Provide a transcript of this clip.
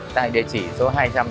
tại địa chỉ số hai trăm tám mươi